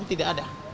almarhum tidak ada